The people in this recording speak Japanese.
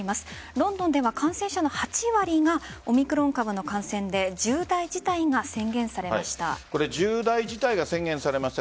ロンドンでは感染者の８割がオミクロン株の感染で重大事態が宣言されました。